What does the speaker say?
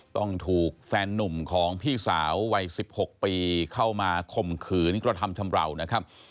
ต้องถูกแฟนนุ่มของพี่สาววัย๑๖ปีเข้ามาข่มขืนกระทำชำราวนะครับ